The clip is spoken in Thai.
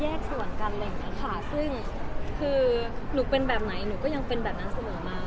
ส่วนกันอะไรอย่างนี้ค่ะซึ่งคือหนูเป็นแบบไหนหนูก็ยังเป็นแบบนั้นเสมอมา